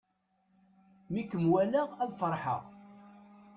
Mi kem-walaɣ ad feṛḥeɣ.